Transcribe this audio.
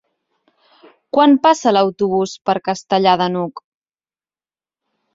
Quan passa l'autobús per Castellar de n'Hug?